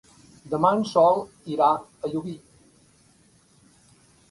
Demà en Sol irà a Llubí.